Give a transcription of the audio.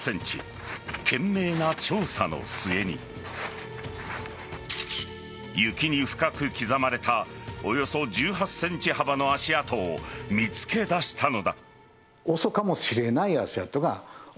懸命な調査の末に雪に深く刻まれたおよそ１８ｃｍ幅の足跡を見つけ出したのだ。